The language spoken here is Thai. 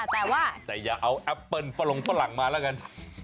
แต่อย่าเอาแอปเปิลฟลงฝรั่งมาแล้วกัน